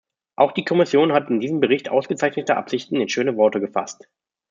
Auch die Kommission hat in diesem Bericht ausgezeichnete Absichten in schöne Worte gefasst.